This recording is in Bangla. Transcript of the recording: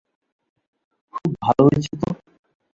খুব ভালো হয়েছে তো।